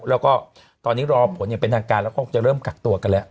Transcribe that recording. แล้วก็ตอนนี้รอผลอย่างเป็นทางการแล้วคงจะเริ่มกักตัวกันแล้ว